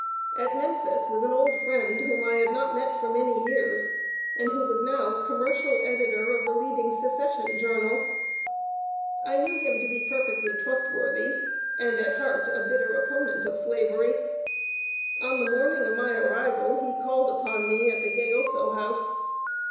At Memphis was an old friend, whom I had not met for many years, and who was now commercial editor of the leading Secession journal. I knew him to be perfectly trustworthy, and, at heart, a bitter opponent of Slavery. On the morning of my arrival, he called upon me at the Gayoso House.